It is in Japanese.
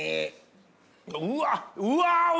うわっうわ！